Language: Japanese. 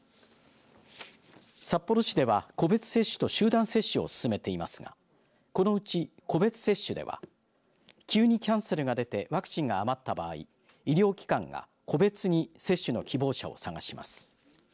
札幌市では個別接種と集団接種を進めていますがこのうち、個別接種では急にキャンセルが出てワクチンが余った場合医療機関が個別に接種の希望者を探します。